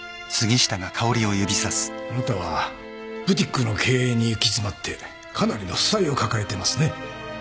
あなたはブティックの経営に行き詰まってかなりの負債を抱えてますね。